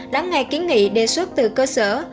lắng nghe kiến nghị đề xuất từ cơ sở